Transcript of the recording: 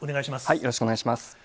よろしくお願いします。